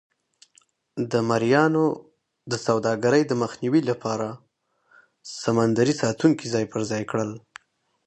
د مریانو د سوداګرۍ د مخنیوي لپاره سمندري ساتونکي ځای پر ځای کړل.